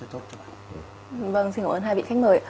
vâng xin cảm ơn hai vị khách mời